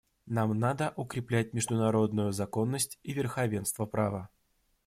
Нам надо укреплять международную законность и верховенство права.